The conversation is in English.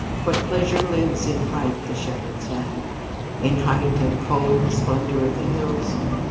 What pleasure lives in height (the shepherd sang). In height and cold, the splendor of the hills?